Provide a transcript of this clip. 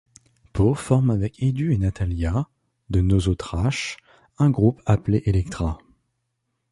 Pau forme avec Edu et Natalia, de Nosoträsh, un groupe appelé Electra.